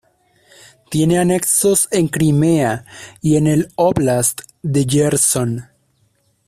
Tiene anexos en Crimea y en el óblast de Jersón.